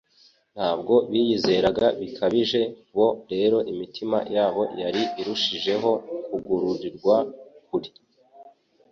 ntabwo biyizeraga bikabije; bo rero imitima yabo yari irushijeho kugururirwa ukuri.